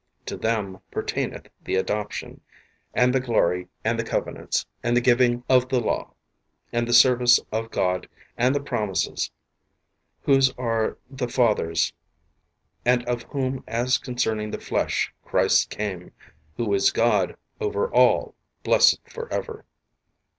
To them pertaineth the adoption,, and the glory, and the covenants, and the giving of the law, and the service of God, and the promises ; whose are the fathers and of whom as concerning the flesh Christ came, who is God over all blessed for ever.